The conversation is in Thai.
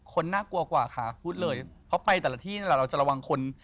คนน่ากลวกว่าค่ะพูดเลยเพราะไปแต่ละที่เราจะระวังคน